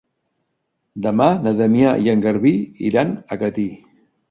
Demà na Damià i en Garbí iran a Catí.